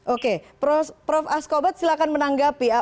oke prof askobat silahkan menanggapi